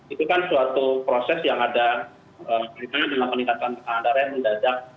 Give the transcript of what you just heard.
itu kan suatu proses yang ada dengan peningkatan kekanggaran mendadak